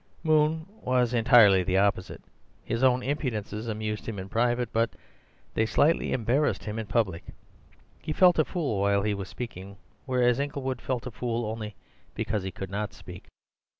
Moon was entirely the opposite. His own impudences amused him in private, but they slightly embarrassed him in public; he felt a fool while he was speaking, whereas Inglewood felt a fool only because he could not speak.